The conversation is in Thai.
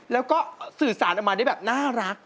แล้วก็สื่อสารออกมาได้แบบน่ารัก